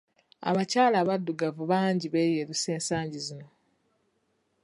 Abakyala abaddugavu bangi beeyerusa ensangi zino.